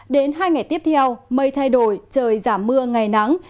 đến hai ngày tiếp theo mây thay đổi trời giảm mưa ngày nắng